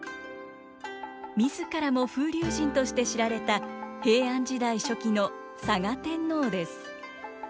自らも風流人として知られた平安時代初期の嵯峨天皇です。